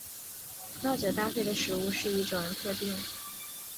葡萄酒搭配食物是一种以特定食物和特定葡萄酒共食以增加两者风味的艺术。